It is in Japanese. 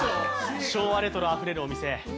昭和レトロあふれるお店。